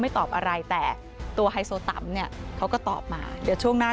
ตอบอะไรแต่ตัวไฮโซตัมเนี่ยเขาก็ตอบมาเดี๋ยวช่วงหน้า